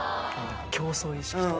競争意識とか。